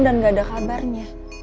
dan gak ada kabarnya